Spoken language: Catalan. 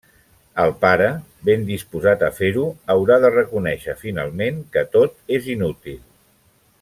El pare, ben disposat a fer-ho, haurà de reconèixer finalment que tot és inútil.